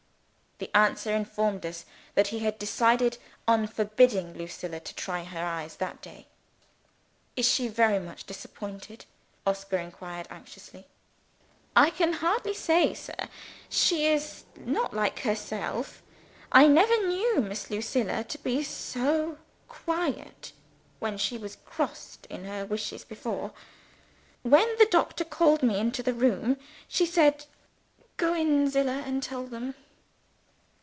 The answer informed us that he had decided on forbidding Lucilla to try her eyes that day. "Is she very much disappointed?" Oscar inquired anxiously. "I can hardly say, sir. She isn't like herself. I never knew Miss Lucilla so quiet when she was crossed in her wishes, before. When the doctor called me into the room, she said: 'Go in, Zillah, and tell them.'